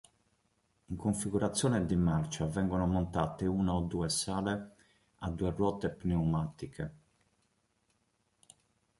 In configurazione di marcia, vengono montate una o due sale a due ruote pneumatiche.